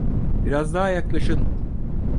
Biraz daha yaklaşın.